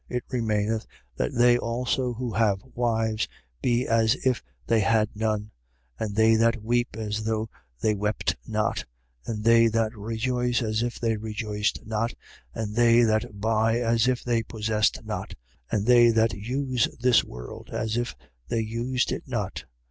It remaineth, that they also who have wives be as if they had none: 7:30. And they that weep, as though they wept not: and they that rejoice, as if they rejoiced not: and they that buy as if they possessed not: 7:31. And they that use this world, as if they used it not.